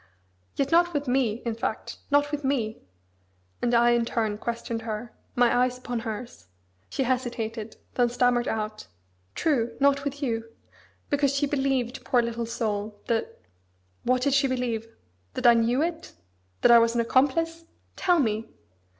"Yet not with me, in fact, not with me!" And I, in turn, questioned her; my eyes upon hers. She hesitated: then stammered out, "True! not with you! because she believed, poor little soul! that..." "What did she believe? That I knew it? That I was an accomplice? Tell me!"